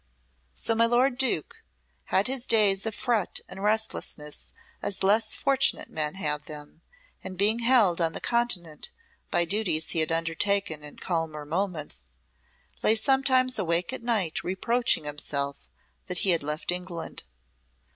So my lord Duke had his days of fret and restlessness as less fortunate men have them, and being held on the Continent by duties he had undertaken in calmer moments, lay sometimes awake at night reproaching himself that he had left England.